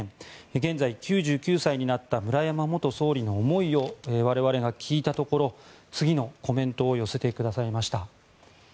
現在９９歳になった村山元総理の思いを我々が聞いたところ次のコメントを寄せてくださいました。